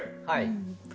はい。